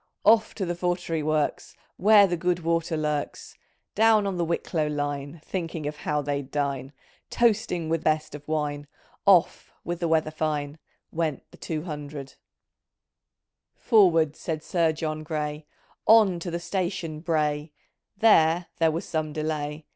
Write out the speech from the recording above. Off to the Vartry Works, Where the good water lurlcs, Down on the Wiclilow line, Thinlting of how they'd dine ; Toasting with best of wine, Off — with the weather fine — Went the two hundred, "' Forward !' said Sir John Gray, On to the station, Bray, There, there was some delay.